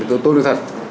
thì tôi nói thật